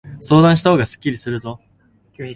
相談したほうがすっきりするぞ。